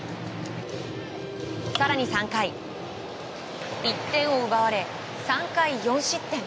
更に３回１点を奪われ３回４失点。